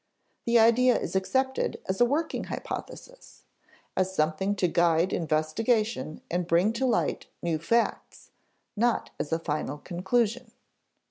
The idea is accepted as a working hypothesis, as something to guide investigation and bring to light new facts, not as a final conclusion.